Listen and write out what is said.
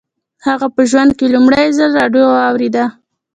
هغه په ژوند کې لومړي ځل راډیو واورېده